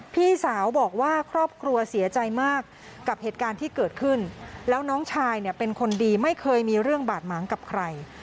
พี่สาวบอกว่าครอบครัวเสียใจมากกับเหตุการณ์ที่เกิดขึ้นแล้วน้องชายเนี่ยเป็นคนดีไม่เคยมีเรื่องบาดหมางกับใคร